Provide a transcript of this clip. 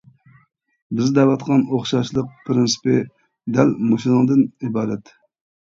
بىز دەۋاتقان «ئوخشاشلىق پىرىنسىپى» دەل مۇشۇنىڭدىن ئىبارەت.